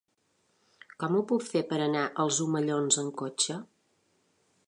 Com ho puc fer per anar als Omellons amb cotxe?